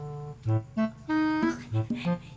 cukup cukup cukup cukup